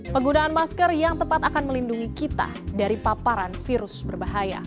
penggunaan masker yang tepat akan melindungi kita dari paparan virus berbahaya